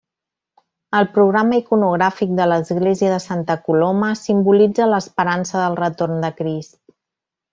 El programa iconogràfic de l’església de Santa Coloma simbolitza l’esperança del retorn de crist.